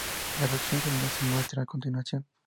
La reacción general se muestra a continuación.